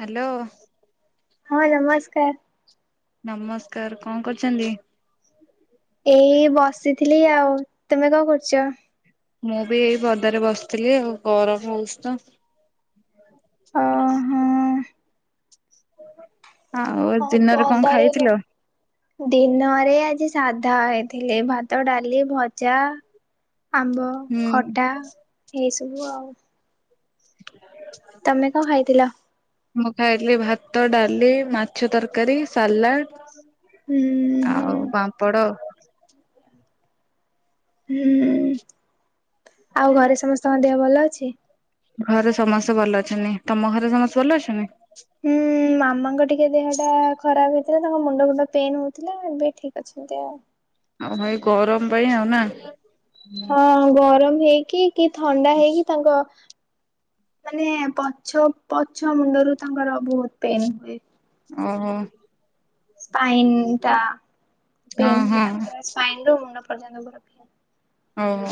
Hello. ହଁ ଆଜ୍ଞା ନମସ୍କାର। ନମସ୍କାର କଣ କରୁଛନ୍ତି‌? ଏଇ ବସିଥିଲି ଆଉ ତୁମେ କଣ କରୁଛ? ମୁଁ ବି ଏଇ ପଦାରେ ବସିଥିଲି ଆଉ ଗରମ ହଉଛି ତ। ଓହୋ। ଆଉ ହଁ ଦିନରେ କଣ ପଦାରେ ବ ଖାଇଥିଲ? ଦିନରେ ଆଜି ସାଧା ହେଇଥିଲେ ଭାତ ଡାଲି ଭଜା ଆମ୍ବ ଖଟା ଏଇ ସବୁ ଆଉ ହୁଁ। ତମେ କଣ ଖାଇଥିଲ? ମୁଁ ଖାଇଥିଲି ଭାତ, ଡାଲି, ମାଛ ତରକାରୀ, ହୁଁ ସାଲାଡ୍ ହୁଁ ଆଉ ପାମ୍ପଡ ଆଉ। ହୁଁ, ଆଉ ଘରେ ସମସ୍ତଙ୍କ ଦେହ ଭଲ ଅଛି? ଘରେ ସମସ୍ତେ ଭଲ ଅଛନ୍ତି। ତମ ଘରେ ସମସ୍ତେ ଭଲ ଅଛନ୍ତି? ହୁଁ, ମାମାଙ୍କ ଟିକେ ଦେହଟା ଖରାପ ହେଇଥିଲା ତାଙ୍କ ମୁଣ୍ଡ ଫୁଣ୍ଡ ପେନ୍ ହଉଥିଲା ଏବେ ଠିକ୍ ଅଛି। [unintelligible] ଅହ, ଏଇ ଗରମ ପାଇଁ ଆଉ ନା? ହଁ ଗରମ ହେଇକି କି ଥଣ୍ଡା ହେଇକି ତାଙ୍କ ମାନେ ପଛ, ପଛ ମୁଣ୍ଡରୁ ତାଙ୍କର ବୋହୁତ୍ ପେନ୍ ହୁଏ। ଓହୋ। ସ୍ପାଇନ୍ ଟା ହଁ ପେନ୍ ହୁଏ ହଁ ତାଙ୍କର ସ୍ପାଇନ୍ ରୁ ମୁଣ୍ଡ ପର୍ଯ୍ୟନ୍ତ। [unintelligible] ଓହୋ।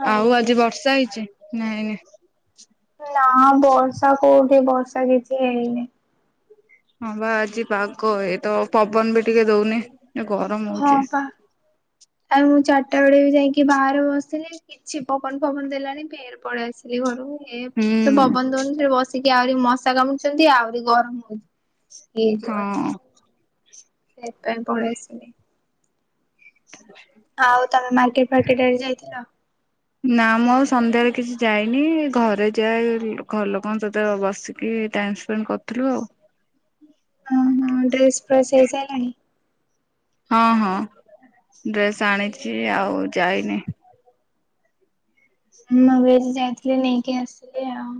ହଁ ଆଉ ଆଜି ବର୍ଷା ହେଇଚି ନା ହେଇନି? ନା ବର୍ଷା କୋଉଠି ବର୍ଷା କିଛି ହେଇନି। ହଁ ବା ଆଜି ପାଗ ଏ ତ ପବନ ବି ଟିକେ ଦଉନି। ଏ ଗରମ୍। ହଁ ପା, ଆଉ ମୁଁ ଚାରିଟା ବେଳେ ବି ଯାଇକି ବାହାରେ ବସିଥିଲି। କିଛି ପବନ ଫବନ ଦେଲାଣି ଫେରେ ପଲେଇ ଆସିଲି ଘରୁକୁ। ଏ କିଛି ତ ହୁଁ ପବନ ଦଉନି ଫେରେ ବସିକି ଆଉରି ମଶା କାମୁଡୁଚନ୍ତି ଆଉରି ଗରମ ହଉଚି। [unintelligible] ହଁ ସେଇଥିପାଇଁ ପଳେଇଆସିିଲି। [unintelligible] ଆଉ ତମେ ମାର୍କେଟ ଫାର୍କେଟ ଆଡେ ଯାଇଥିଲ? ନା ମୁଁ ଆଉ ସନ୍ଧ୍ୟାରେ କିଛି ଯାଇନି ଘରେ ଯାଏ ଘର ଲୋକଙ୍କ ସହିତ ବସି କି ଟାଇମ୍ ସ୍ପେଣ୍ଡ କରୁଥିଲୁ ଆଉ। ଅ ହଁ, ଡ୍ରେସ୍ ଫ୍ରେସ୍ ହେଇ ସାଇଲାଣି? ହଁ ହଁ, ଡ୍ରେସ୍ ଆଣିଚି ଆଉ ଯାଇନି। ମୁଁ ବି ଆଜି ଯାଇଥିଲି ନେଇକି ଆସିଲି ଆଉ।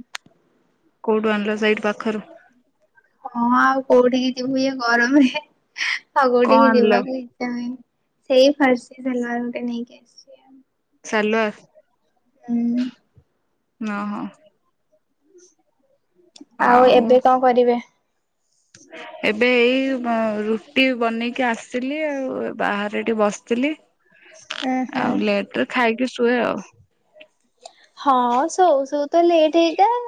କୋଉଠୁ ଆଣିଲ ସେଇଠି ପାଖରୁ? ହଁ ଆଉ କୋଉଠିକି ଯିବୁ ଇଏ ଗରମ ରେ ଆଉ କଣ କୋଉଠିକି ଆଣିଲ ଯିବାକୁ ଇ [unintelligible] ସାଲୁଆର୍? ହୁଁ। ନ ହଁ। ଆଉ ଏବେ କଣ କରିବେ? [unintelligible] ଏବେ ଏଇ ରୁଟି ବନେଇକି ଆସଥିଲି ଆଉ। ବାହାରେ ଏଇଠି ବସିଥିଲି। ଉଁ ହୁଁ ଆଉ ଲେଟେରେ ଖାଇକି ଶୁଏ ଆଉ। ହଁ ଶୋଉ ଶୋଉ ତ ଲେଟ୍ ହେଇଯାଏ ଆଉ,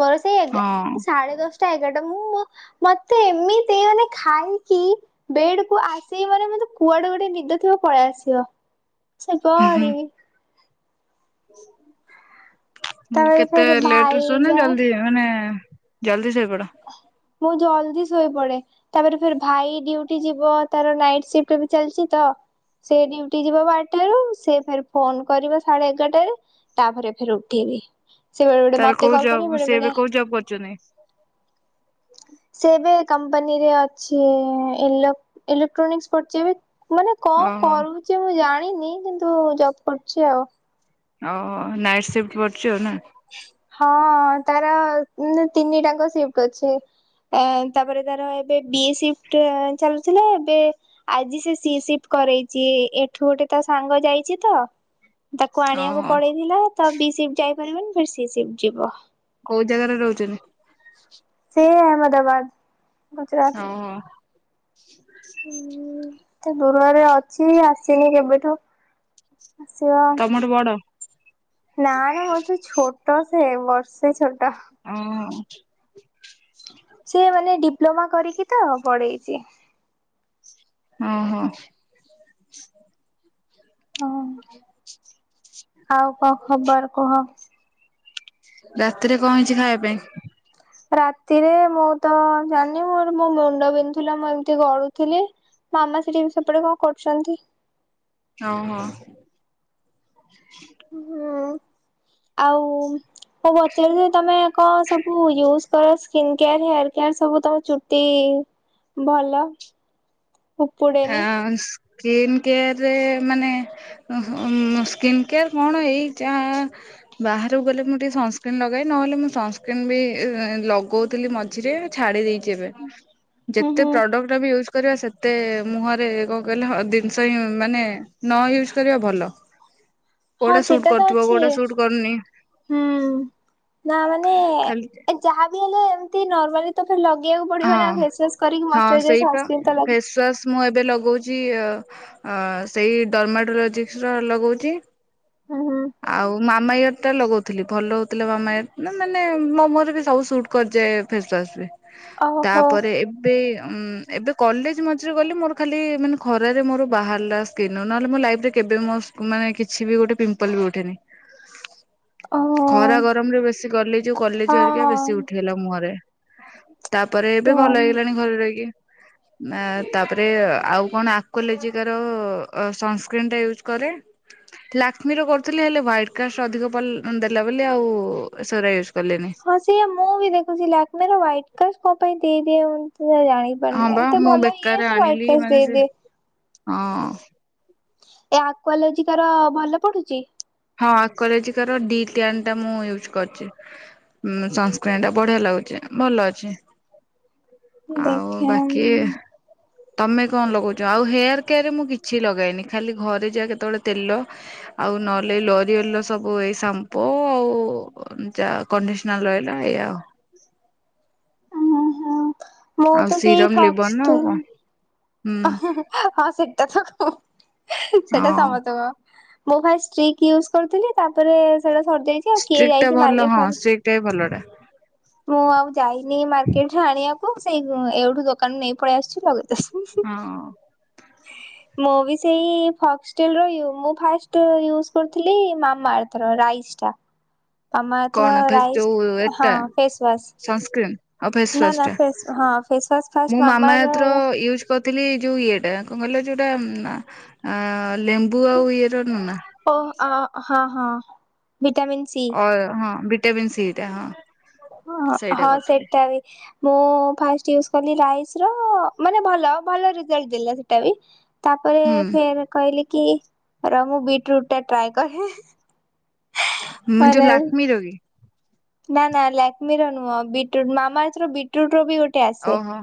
ମୋର ସେଇ ହଁ ଏଗାର ସାଡେ ଦଶ ଟା ଏଗାର ଟା, ମୁଁ ମତେ ଏମିତି ମାନେ ଖାଇକି ବେଡ୍ କୁ ଆସିବି ମାନେ ମତେ କୁଆଡେ ଗୋଟେ ନିଦ ଥିବ ପଳେଇ ଆସିବ। ଶୋଇ ହୁଁ ପଡ଼ିବି। ହୁଁ ତାପରେ କେତେ ଫେରେ ଲେଟେ ଭାଇ ରେ ଶୁଅ ନା ଯାଏ ଜଲଦି ମାନେ ଜଲଦି ଶୋଇ ପଡ଼? ମୁଁ ଜଲ୍ଦି ଶୋଇପଡେ। ତାପରେ ଫେରି ଭାଇ ଡିଉଟି ଯିବ ତାର ନାଇଟ୍ ସିଫ୍ଟ ବି ଚାଲିଚି ତ ସେ ଡୁଉଟି ଯିବ ବାରଟାରୁ ସେ ଫେରି ଫୋନ୍ କରିବ ସାଢେ ଏଗାରଟାରେ। ତାପରେ ଫେରି ଉଠେଇବି ସେ ବେଳେବେଳେ ମତେ କଲ୍ କରିବେ ବେଳେବେଳେ ଜବ୍ କରୁଚନ୍ତି। ସେ ଏବେ କମ୍ପାନୀରେ ଅଛି ଇଲେ ଇଲେକ୍ଟ୍ରୋନିକ୍ସ ପୁଛି ବି। ମାନେ କଣ ଓହୋ। କରୁଚି ମୁଁ ଜାଣିନି କିନ୍ତୁ ଜବ୍ କରୁଚି ଆଉ। ହ ନାଇଟ୍ ସିଫ୍ଟ କରୁଚି ଆଉ ନାଁ। ହଁ ତାର ତିନି ଟାଙ୍କ ସିଫ୍ଟ ଅଛି। ତାପରେ ତାର ଏବେ ବି ଏ ସିପ୍ ଟା ଚାଲୁଥିଲା ଏବେ ଆଜି ସେ ସି ସିଫ୍ କରେଇଚି ଏଠୁ ଗୋଟେ ତା ସାଙ୍ଗ ଯାଇଚି ତ। ତାକୁ ଆଣିବାକୁ ଓହୋ ପଳେଇଥିଲେ ତ ବି ସିଫ୍ଟ୍ ଯାଇପାରିବନି ଫୁଣି ସି ସିଫ୍ଟ୍ ଯିବ। କୋଉ ଜାଗାରେ ରହୁଚନ୍ତି? ସେ ଅହମଦାବାଦ ଗୁଜୁରାଟ୍। ହୁଁ। ହୁଁ ଏତେ ଦୂରରେ ଅଛି ଆସିନି କେବେଠୁ ଆସିବ। ତମଠୁ ବଡ଼। ନାଁ ନାଁ ମ ସେ ଛୋଟ ସେ ବର୍ଷେ ଛୋଟ। [unintelligible] ସେ ମାନେ ଡିପ୍ଲୋମା କରିକି ତ ପଢେଇଚି। ଓ ହୋ। ହଁ ଆଉ କଣ ଖବର କୁହ? ରାତିରେ କଣ ହେଇଚି ଖାଇବା ପାଇଁ? ରାତିରେ ମୁଁ ତ ଜାଣିନି ମୋର ମୋ ମୁଣ୍ଡ ବିନ୍ଧୁଥିଲା ମୁଁ ଏମିତି ଗଡୁଥିଲି। ମାମା ସେଠି ବି ସେପଟେ କଣ କରୁଚନ୍ତି। ଓହୋ। ହୁଁ ଆଉ ହ ବଚାର ତମେ କଣ ସବୁ ୟୁଜ୍ କରସ୍? ସ୍କିନ୍ ହେୟାର୍ ହେୟାର୍ କେୟାର୍ ସବୁ ତମ ଚୁଟି ଭଲ। ହଁ ଉପୁଡେନି ସ୍କିନ୍ କେୟାର୍ ରେ ମାନେ ଓହୋ ସ୍କିନ୍ କେୟାର କଣ ଏଇ ଯା ବାହାରକୁ ଗଲେ ମୁଁ ଟିକେ ସନସ୍କ୍ରିିନ ଲଗାଏ ନହେଲେ ମୁଁ ସନସ୍କ୍ରିନ ବି ଲଗଉଥିଲି ମ ମଝିରେ ଛାଡ଼ି ଦେଇଚି ଏବେ। ହୁଁ। ଯେତେ ହୁଁ ପ୍ରଡକ୍ଟ ବି ୟୁଜ୍ କରିବା ସେତେ ମୁହଁରେ କଣ କହିଲେ ଜିନିଷ ହିଁ ମାନେ ନ ୟୁଜ୍ କରିବା ଭଲ। ହଁ କୋଉଟା ସୁଟ୍ ସେଟା ତ କରୁଥିବ ଅଛି କୋଉଟା ସୁଟ୍ କରୁନି ହୁଁ ନାଁ ମାନେ ଖାଲି ଯାହାବି ହେଲେ ଏମିତି ନର୍ମାଲି ତ ଲଗେଇବାକୁ ପଡିବ ହଁ ନାଁ ଫେସୱାସ୍ କରିକି ହଁ ମସ୍କୁରାଇଯାର ସେଇପା ସନସ୍କ୍ରିନ୍ ତ ଲ ଫେସୱାସ୍ ମୁଁ ଏବେ ଲଗଉଚି ସେଇ ଡର୍ମାଟୋଲୋଜିକ୍ସ ର ଲଗାଉଚି। ହୁଁ ହୁଁ। ଆଉ ମାମା ୟାର ଟା ଲଗଉଥିଲି ଭଲ ହଉଥିଲା ମାମା ନାଁ ମାନେ ମୋମୋରେ ବି ସବୁ ସୁଟ୍। କରିଯାଏ ଫେସୱାସ ବି ଓହୋ ତାପରେ ଏ ଏବେ ଏବେ କଲେଜ ମଝିରେ ଗଲେ ମୋର ଖାଲି ମାନେ ଖରାରେ ମୋର ବାହାରିଲା। କିନୁ ନହେଲେ ମୋ ଲାଇଫ୍ ରେ କେବେ ମୋ ମାନେ କିଛି ବି ଗୋଟେ ପିମ୍ପଲ ବି ଉଠିନି। ଓ ଖରା ଗରମରେ ବେଶୀ ଗଲେ ଯୋଉ କଲେଜେ ହେରିକା ବେଶୀ ହଁ ଉଠିଗଲା ମୁହଁରେ। ତାପରେ ଏବେ ଭଲ କୁହନି। ହେଇଗଲାଣି ଘରେ ରହିକି। [inaudible] ନା ତାପରେ ଆଉ କଣ ଆକ୍ୱାଲୋଜିକାର ସନସ୍କ୍ରିନ୍ ଟା ୟୁଜ କରେ। ଲାକ୍ ଲାକ୍ମିର କରୁଥିଲି ହୁଆଇଟ୍ କାଷ୍ଟ ଅଧିକ ପ ଦେଲା ବୋଲି ଆଉ ସେଗୁଡା ୟୁଜ୍ କଲିନି। ହଁ ସେୟା ମୁଁ ବି ଦେଖୁଛି ଲାକ୍ମି ର ହୁଆଇଟ୍ କାଷ୍ଟ କଣ ପାଇଁ ଦେଇଦିଏ। ବ ହଁ ବା ଏତେ ମୁଁ ଭଲ ବେକାର ଇଏ ତ ହ୍ଵାଇଟ୍ ଆଣିଲି କାଷ୍ଟ ମାନେ ସେ ଦେଇଦିଏ। ହଁ ଏ ଆକ୍ୱାଲୋଜିକାର ଭଲ ପଢୁଛି। ହଁ ଆକ୍ଵଲୋଜିଟା ର ଦି ଟିୟାନ୍ ମୁଁ ୟୁଜ କରିଛି। ସନସ୍କ୍ରିନ୍ ଟା ବଢିଆ ଲାଗୁଚି ଭଲ ଅଛି। ଆଉ ଦେଖେ ବାକି ତମେ କଣ ଲଗଉଛ ଆଉ ହେୟାର କେୟାରରେ ମୁଁ କିଛି ଲଗାଏନି ଖାଲି ଘରେ ଯାହା କେତେବେଳେ ତେଲ ଆଉ ନ ଲରିଅଲ୍ ର ସବୁ ଏଇ ସାମ୍ପୁ ଆଉ ଯାହା କଣ୍ଡିସନର ରହିଲା ଏଇଆଉ ମଁ ଆଉ ତ ସେଇ ସିରମ ଲିବନ ଆଉ ପକ୍ସଟିନ୍ କଣ ହୁଁ [unintelligible] ହଁ ସେଟତ କ ସେଟା ହଁ ସମସ୍ତ କ ମୁଁ ଫାଷ୍ଟ୍ ଷ୍ଟିକ୍ ୟୁଜ କରିୁଥିଲି ତାପରେ ସେଟା ସରିଯା ଷ୍ଟ୍ରିକ୍ ଟା ଭଲ ହଁଷ୍ଟ୍ରିକ୍ ଟା ବି ଭଲ ଟା ମୁଁ ଆଉ ଯାଇନି ମାର୍କେଟରେ ଆଣିବାକୁ ସେଇ ଏଇଠୁ ଦୋକାନରୁ ନେଇ ପଳେଇ ଆସିଛି ଲଗେଇ ଦଉ ହଁ ମୁଁ ବି ସେଇ ଫକ୍ସଟେଲ୍ ର ମୁଁ ଫାଷ୍ଟ ୟୁଜ୍ କରୁଥିଲି ମାମାର୍ଥ ରାଇସ୍ ଟା [inaudible] ମାମାର୍ଥ ର କଣ ଫେସ୍ ରାଇସ୍ ଯୋଉ ହ ଏଟା ସନସ୍କ୍ରିନ୍ ଆଉ ପେସୱାଶ ନା ଫେସୱାସ ନା ଟା ଫେସ ହଁ ଫେସ୍ୱାୱାଶ ଫାଷ୍ଟ ମାମ କଥିଲି ଯୋଉ ଇଏଟା କଣ କହିଲ ଯୋଉଟା ଲେମ୍ବୁ ଆଉ ଇଏ ର ନୁହଁ ନା ଓ ହଁ ହଁ ଭିଟାମିନ୍ ସି ଅ ହଁ ଭିଟାମିନ୍ ସି ଟା ହଁ ହଁ ସେଇଟା ହଁ କରିଥିଲି। ସେଟା ବି ମୁଁ ଫାଷ୍ଟ ୟୁଜ୍ କଲି ରାଇସ୍ ର ମାନେ ଭଲ ଭଲ ରେଜଲ୍ଟ ଦେଲା ସେଟା ବି ତାପରେ ହୁଁ ଫେର୍ କହିଲି କି ର ମୁଁ ବ୍ରିଟ୍ ରୁଟ୍ ଟା ଟ୍ରାଏ କରେ ମୁଁ ମାନେ ଯୋଉ ଲାକ୍ମି ର କି ନା ନା ଲାକ୍ମିର ନୁହଁ ବ୍ରିଟ ରୁଟ୍ ମାମାର୍ଥ ର ବିଟ ରୁଟ୍ ର ବି ଗୋଟେ ଆସ ଓହୋ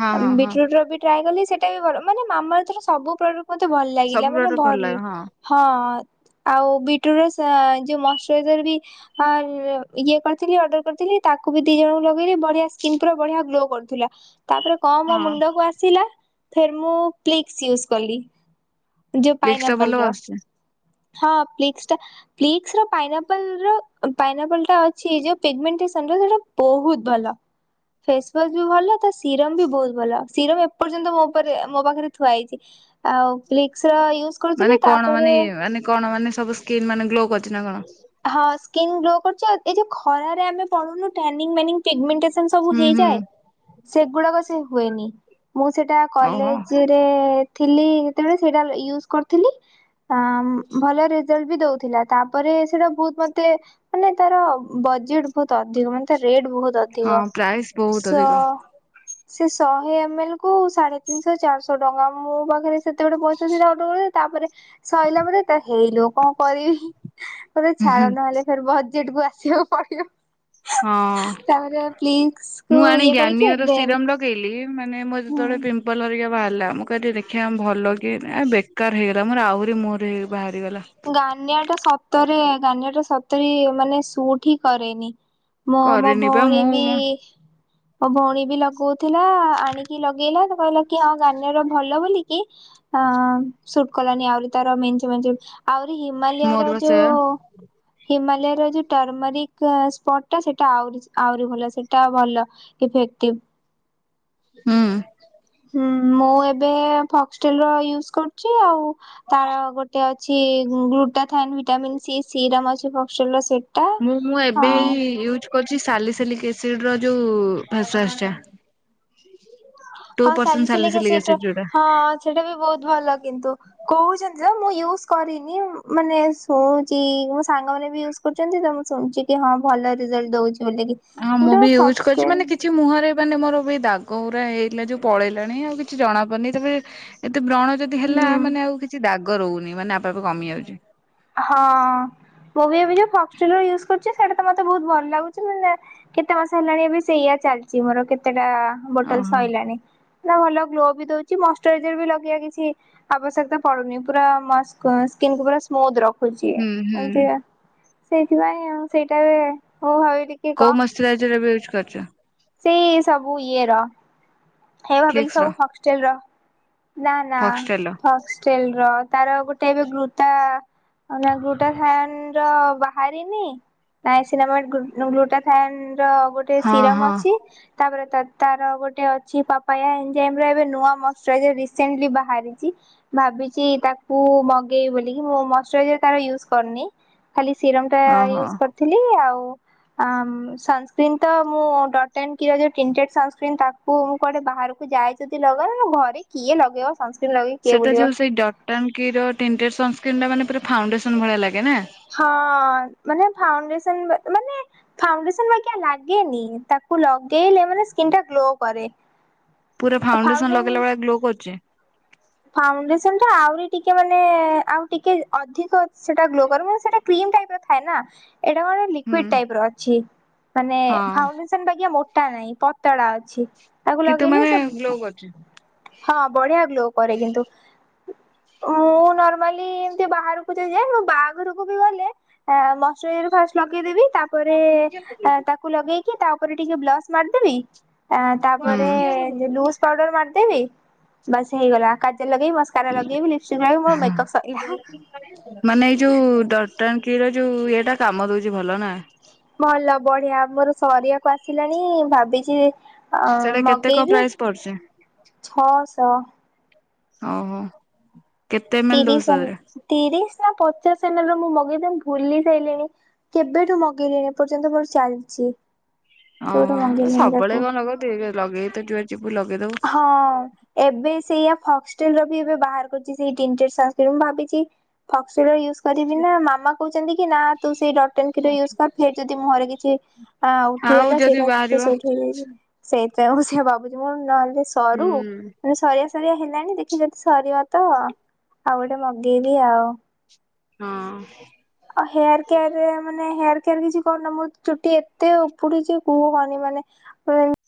ହଁ ହଁ ହଁ ବିଟ୍ ରୁଟ୍ ର ବି ଟ୍ରାଏ କଲି ସେଟା ବି ଭଲ ମାନେ ମାମାର୍ଥ ର ସବୁ ପ୍ରଡକ୍ଟ ମତେ ଭଲ ସବୁ ଲାଗିଲା ମାନେ ପ୍ରଡକ୍ଟ ଭଲ ଲାଗେ ହଁ ଆଉ ବିଟ୍ ର ଯୋଉ ମଶ୍ଚରାଇଜର ବି ଇଏ କରିଥିଲି ଅର୍ଡର କରିଥିଲି ତାକୁ ବି ଦି ଜଣଙ୍କୁ ଲଗେଇଲି ବଢିଆ ସ୍କିିନ୍ ପୁରା ବଢିଆ ଗ୍ଲୋ କରୁଥିଲା ତାପରେ କଣ ମୋ ହଁ ମୁଣ୍ଡକୁ ଆସିଲା ଫିର୍ ମୁଁ ପ୍ଲିକସ ୟୁଜ କଲି। ଯୋଉ ବ୍ଲିଚ ଟା ଭଲ ପାଇନାଆପଲ ର ଆସୁଛି। ହଁ ପ୍ଲିକ୍ସ ଟା ପ୍ଲିକ୍ସ ର ପାଇନାପଲ ର ପାଇନାପଲ ଟା ଅଛି ଯୋଉ ପିଗ୍ ମେଣ୍ଟସନ ର ସେଟା ବହୁତ୍ ଭଲ। ଫେସୱାସ ବି ଭଲ ତା ସିରମ ବି ବହୁତ୍ ଭଲ ସିରମ ଏପର୍ଯ୍ୟନ୍ତ ମୋ ଉପରେ ମୋ ପାଖରେ ଥୁଆ ହେଇଛି। ଆଉ ପ୍ଲିକ୍ସ ର ୟୁଜ୍ ମାନେ କରୁଥିଲି କଣ ତାପରେ ମାନେ ମାନେ କଣ ମାନେ ସବୁ ସ୍କିନ୍ ମାନେ ଗ୍ଲୋ କରିଛି ନା କଣ? ହଁ ସ୍କିନ୍ ଗ୍ଲୋ କରୁଛି ଆଉ ଏ ଯଉ ଖରାରେ ଆମେ ପଳଉନୁ ଟାଣିଂ ମାନିଂ ପିଗ୍ମେ ସେମିତି ସବୁ ହୁଁ ହୁଁ। ହେଇଯାଏ ସେଗୁଡାକ ସେ ହୁଏନି ମୁଁ ସେଇଟା ଓହୋ କଲେଜରେ ଥିଲି ଯେତେବେଳେ ସେଇଟା ୟୁଜ କରିଥିଲି। ଭଲ ରେଜଲଟ୍ ବି ଦୋଉଥିଲା ତାପରେ ସେଟା ବହୁତ ମତେ ମାନେ ତାର ବଜେଟ୍‌ ବହୁତ ଅଧିକ ମାନେ ତା ରେଟ୍ ବହୁତ ହଁ ଅଧିକ ପ୍ରାଇସ୍ ବହୁତ ସ ଅଧିକ ସେ ଶହେ ଏମଏଲ କୁ ସାଢେ ତିନିଶହ ଚାରିଶହ ଟଙ୍କା ମୋ ପାଖରେ ସେତେ ଗୋଟେ ପଇସା ସେଟ ଆଟେ ତାପରେ ସରିଲା ପରେ ତ ହେଇଲୋ କଣ କରିବି। ହୁଁ ହୁଁ ଛାଡ଼ ନହେଲେ ଫେରେ ବଜେଟ କୁ ଆସିବାକୁ ପଡିବ। ହଁ। ତାପରେ ପ୍ଲିଜ କୁ ଇଏ କରିକି ଏବେ ପିଇଲି ମାନେ ମୋର ହୁଁ ଯେତେବେଳେ ପିମ୍ପଲ ହେରିକା ବାହାରିଲା ମୁଁ କହିଲି ଦେଖି ଦେଖିଆଁ ଭଲ କି ବେକାର ହେଇଗଲା ମୋର ଆହୁରି ମୋର ହେଇ ବାହାରିଗଲା। ଗାନିଆଁ ଟା ସତରେ ଗାନିଆଁ ଟା ସତରେ ଇଏ ମାନେ ସୁଟ୍ ହିଁ କରେନି। ମୋ ମୋ କରିନି ବା ଭଉଣୀ ବି ମୁଁ ମୋ ଭଉଣୀ ବି ଲଗଉଥିଲା ଆଣିକି ଲଗେଇଲା ତ କହିଲା କି ଆଉ ଗାନିଆଁ ର ଭଲ ବୋଲିକି। ହଁ ସୁଟ୍ କଲାନି ଆହୁରି ତାର ମେନ୍ଞ୍ଚେ ମେଞ୍ଚେ ଆହୁରି ହିମାଳୟ ମୋର ର ବା ସେୟା ଯୋଉ ହିମାଲୟର ଯୋଉ ଟର୍ମରିକ ସ୍ପଟ ଟା ସେଟା ଆହୁରି ଆହୁରି ଭଲ ସେଇଟା ଭଲ। ଇଫେକ୍ଟିଭ। ହୁଁ। ହୁଁ ମୁଁ ଏବେ ଫକ୍ସଟେଲ ର ୟୁଜ୍‌ କରୁଛି ଆଉ ତାର ଗୋଟେ ଅ ଅଛି ଗ୍ଲୁଟାଥାଇନ୍ ଭିଟାମିନ୍ ସି ସିରମ୍ ଅଛି ଫସଲ ସି ମୁଁ ମୁଁ ଏବେ ହେଇ ୟୁଜ୍ କରୁଛି ସାଲିସିଲିକ୍ ଏସିଡ୍‌ ର ଯୋଉ ଫେସ୍‌ୱାସ ଟା। ଟୁ ହଁ ପରସେଣ୍ଟ ସାଲିସିଲିକ୍ ଏସିଡ୍‌ ର ଏସିଡ ଯୋଉଟା। ହଁ ସେଇଟା ବହୁତ ଭଲ କିନ୍ତୁ। କହୁଛନ୍ତି ତ ମୁଁ ୟୁଜ୍‌ କରିନି ମାନେ ଶୁଣୁଛି ମୋ ସାଙ୍ଗ ମାନେ ବି ୟୁଜ୍‌ କରୁଛନ୍ତି ତ ମୁଁ ଶୁଣିୁଛି କି ହଁ ଭଲ ରେଜଲ୍ଟ ଦଉଛି ବୋଲି କି। ହଁ ମୁଁ ବି ୟୁଜ୍ କରିଛି ମାନେ କି କିଛି ମୁହଁରେ ମାନେ ମୋର ବି ଦାଗ ଗୁରା ହେଇଥିଲା ଯୋଉ ପଳେଇଲାଣି ଆଉ କିଛି ଜଣା ପଡୁନି। ତାପରେ ଏତେ ବ୍ରଣ ଯଦି ହେଲା ହୁଁ। ମାନେ ଆଉ କିଛି ଦାଗ ରହୁନି ମାନେ ଆପେ ଆପେ କମି ଯାଉଛି। ହଁ ମୁଁ ବି ଏବେ ଯୋଉ ଫରଚୁନୁ ୟୁଜ୍‌ କରୁଛି ସେଇଟା ତ ମତେ ବହୁତ ଭଲ ଲାଗୁଛି ମାନେ କେତେ ମାସ ହେଲାଣି ଏବେ ସେଇଆ ଚାଲିଛି ମୋର କେତେଟା ବୋଟଲ ଓହୋ ସଇଲାଣି। ନା ଭଲ ଗ୍ଲୋ ବି ଦଉଛି ମସଷ୍ଟାଇଜର ବି ଲଗେଇବା କିଛି ଆବଶ୍ୟକତା ପଡୁନି ପୁରା ମାସ୍ ସ୍କିନକୁ ପୁରା ସ୍ମୁଦ୍ ରଖୁଛିି। ହୁଁ ହୁଁ କୋଉ ମସୁରାଇଜର ଏବେ ୟୁଜ୍ କରିଛ? ସେଇ ସବୁ ଇଏ ର ହେ ଭାବିଲି ଫ୍ଲିକ୍ସ ର ସବୁ ହଷ୍ଟେଲ ର ନା ନା ଫକ୍ସଟେଲ ର ଥ ଷ୍ଟେଲେ ର ତାର ଗୋଟେ ଏବେ ଗୁତା ମାନେ ଗୃତା ହାଣ୍ଡ ର ବା ଖାରିନି। ହଁ ହଁ ତାପରେ ତା ତାର ଗୋଟେ ଅ ଛି ପାପେୟା ଏମିତି ଟାଇମ୍ ରେ ନୂଆ ମସ୍‌ ରାଇଜର ରସେଣ୍ଟି ବାହାରିଛି। ଭାବିଛି ତାକୁ ମଗେଇବି ବୋଳିକି ମୁଁ ମଶ୍ଚରାଇଜର ତାର ୟୁଜ୍ କରୁନି। ଖାଲି ସିରମ୍ ଟା ଓହୋ। ୟୁଜ୍‌ କରିଥିଲି ଆଉ ଆ ସନସ୍କିନି ତ ମୁଁ ଡ଼ଟଇଂନି କିଅର ପ୍ରିଣ୍ଟେଡ୍ ସନ୍ ସ୍କିନ ତା କୁ ମୁଁ କୁଆଡେ ବାହାରକୁ ଯାଏ ଯଦି ଲଗାଏ ମୁଁ ଘରେ କିଏ ଲଗେଇବ। ସନସ୍କିନ୍ ଲଗେଇ କିଏ ସେଟା ବୁଲିବ। ଯୋଉ ସେଇ ଡଟଟଙ୍କିର ଟେଣ୍ଟର ସଂସ୍କ୍ରିନ ଟା ମାନେ ପୁରା ଫାଉଣ୍ଡେସନ ଭଳିଆ ଲାଗେ ନା। ହଁ ମାନେ ଫାଉଣ୍ଡସନ ମାନେ ଫାଉଣ୍ଡେସନ ବାଗିଆ ଲାଗେନି ତାକୁ ଲଗେଇଲେ ମାନେ ସ୍କିନି ଟା ଗ୍ଲୋ କରେ। ପୁରା ଫାଉଣ୍ଡେସନ ଲଗେଇଲା ବଳିଆ ଗ୍ଲୋ କରୁଛି। ଫାଉଣ୍ଡେସନ ଟା ଆଉରି ଟିକେ ମାନେ ଆଉ ଟିକେ ଅଧିକ ସେଟା ଗ୍ଲୋ କରେ ମାନେ ସେଟା କ୍ରିମ ଟାଇପ ର ଥାଏ ନା ଏଟା ଗୋଟେ ହୁଁ। ଲିକୁଇଡି ଟାଇପ ର ଅଛି ମାନେ ହଁ ଫାଉଣ୍ଡେସ [inaudible] ବାଗିଆ ମୋଟା ନାହିଁ ପତଳା ଅଛି ତାକୁ କିନ୍ତୁ ଲଗେଇଲେ ମାନେ ସେ ଗ୍ଲୋ କରୁଛି ହଁ ବଢିଆ ଗ୍ଲୋ କରେ କିନ୍ତୁ। ମୁଁ ନର୍ମାଲି ଏମତି ବାହାରକୁ ଯୋଉ ଯାଏ ବାହାଘରକୁ ବି ଗଲେ ଆ ମସୁରାଇଜର ଫାଷ୍ଟ ଲଗେଇଦେବି ତା ତାପରେ ତାକୁ ଲଗେଇକି ତା ଉପରେ ଟିକେ ବ୍ଲସ ମାରିଦେବି ଆ ହୁଁ। ତାପରେ ମାନେ ଲୁଜ ପାଉଡର ମାରିଦେବି। ବାସ୍ ହେଇଗଲା କାଜଲ ଲଗେଇବି ମସକାରା ଲଗେଇବି ଲିପଷ୍ଟିକ୍ ଲଗେଇବି ମୋର ମେକ୍ଅପ୍ ସଇଲା। ମାନେ ଏଇ ଯୋଉ ଡଟଟାଙ୍କି ର ଯୋଉ ଇଏଟା କାମ ଦଉଛି ଭଲ ନା? ଭଲ ବଢିଆ ମୋର ସରିବାକୁ ଆସିଲାଣି ଭାବିଛି ଅ ସେଇଟା କେତେ କଣ ମଗେଇବି ପ୍ରାଇସ୍ ପଡୁଛି ଛଅଶହ ଓ ହୋ। ତିରିଶ ଏମ ତିରିଶ ନା ପଚାଶ ଏମ୍ ଏଲ୍ ର ମୁଁ ମଗେଇବି [inaudible] ଭୁଲି ସାଇଲିିଣି। କେବେଠୁ ମଗେଇଲିଣି ଏପର୍ଯ୍ୟନ୍ତ ମୋର ଚାଲିଛି। କେବେଠୁ ଓହୋ ମଗେଇଲିଣି ସବୁବେଳେ ତାକୁ। କଣ ଲଗେଇବୁ ଦି ଲଗେଇକି ତ ଯୁଆଡେ ଯିବୁ ଲଗେଇଦବୁ। ହଁ ଏବେ ସେଇୟା ଫକ୍ସଟେଲ ର ବି ଏବେ ବାହାର କରଛି ସେଇ ଟିଣ୍ଟେସା କ୍ରିମ ମୁଁ ଭାବିଛି ଫକ୍ସଟେଲ ର ୟୁଜ କରିବି ନା ମାମା କହୁଛନ୍ତି କି ନା ତୁ ସେଇ ଡଟେନକୀର ୟୁଜ୍ କର। ଫେର ଯଦି ମୁହଁରେ କିଛି ଅ ଆଉ ଉଠିଗଲା ଯଦି ସେଇଟା ତତେ ବାହାରିବ ସୁଟ୍ ହେଇଯାଇଛି। ସେଇଥିପାଇ ମୁଁ ସେୟା ଭାବୁଛି ମୁଁ ନହେଲେ ସରୁ ମାନେ ସରିିବା ସରିଆ ହେଲାଣି ଦେଖି ଯଦି ସରିବ ତ ଆଉ ଗୋଟେ ମଗେଇବି ଆଉ। ହୁଁ। ଆଉ ହେୟାର କେୟାର ରେ ମାନେ ହେୟାର କେୟାର କିଛି କରୁନ ମୋ ଚୁଟି ଏତେ ଉପୁଡିଛି କୁହନି ମାନେ [unintelligible]